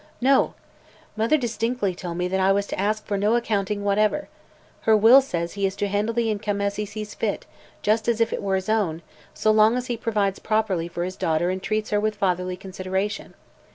"No. Mother distinctly told me I was to ask for no accounting whatever. Her will says he is to handle the income as he sees fit, just as if it were his own, so long as he provides properly for his daughter and treats her with fatherly consideration.